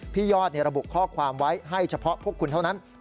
ยอดระบุข้อความไว้ให้เฉพาะพวกคุณเท่านั้น